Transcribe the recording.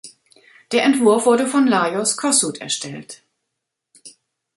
Der Entwurf wurde von Lajos Kossuth erstellt.